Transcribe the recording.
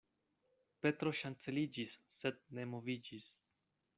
Petro ŝanceliĝis, sed ne moviĝis.